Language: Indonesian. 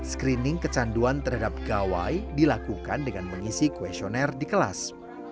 screening kecanduan terhadap gawai dilakukan dengan mengisi questionnaire di kelas